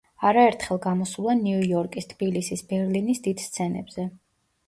არაერთხელ გამოსულან ნიუ-იორკის, თბილისის, ბერლინის დიდ სცენებზე.